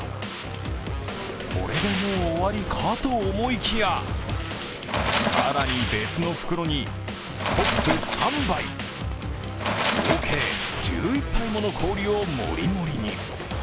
これでもう終わりかと思いきや、更に別の袋にスコップ３杯、合計１１杯もの氷をもりもりに。